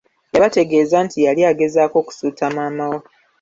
Yabategeeza nti yali agezaako kusuuta maama we.